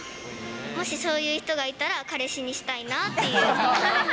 もし、そういう人がいたら彼氏にしたいなっていう。